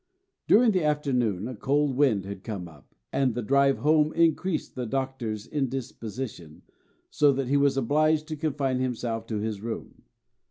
During the afternoon a cold wind had come up, and the drive home increased the Doctor's indisposition, so that he was obliged to confine himself to his room.